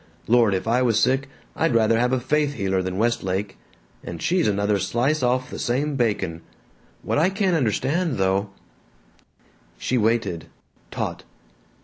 Lord, if I was sick, I'd rather have a faith healer than Westlake, and she's another slice off the same bacon. What I can't understand though " She waited, taut.